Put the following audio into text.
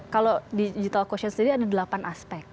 kalau di digital quotient sendiri ada delapan aspek